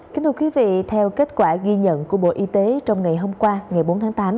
kính thưa quý vị theo kết quả ghi nhận của bộ y tế trong ngày hôm qua ngày bốn tháng tám